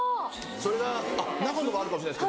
それが長野もあるかもしれないんですけど